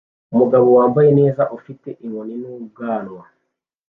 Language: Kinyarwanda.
Umugabo wambaye neza ufite inkoni n'ubwanwa